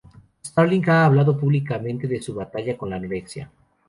Stirling ha hablado públicamente de su batalla con la anorexia.